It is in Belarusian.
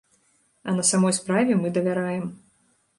А на самой справе мы давяраем.